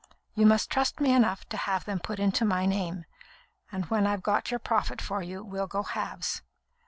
You must trust me enough to have them put into my name, and when I've got your profit for you, we'll go halves.